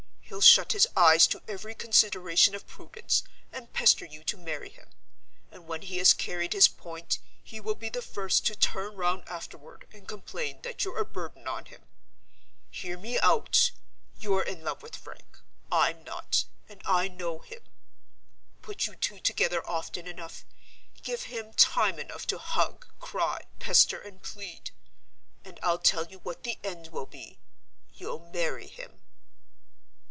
He'll shut his eyes to every consideration of prudence, and pester you to marry him; and when he has carried his point, he will be the first to turn round afterward and complain that you're a burden on him. Hear me out! You're in love with Frank—I'm not, and I know him. Put you two together often enough; give him time enough to hug, cry, pester, and plead; and I'll tell you what the end will be—you'll marry him."